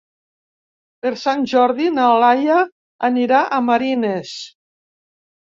Per Sant Jordi na Laia anirà a Marines.